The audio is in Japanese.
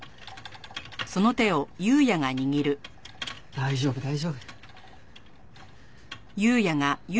大丈夫大丈夫。